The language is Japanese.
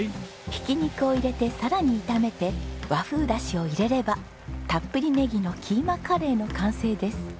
ひき肉を入れてさらに炒めて和風だしを入れればたっぷりネギのキーマカレーの完成です。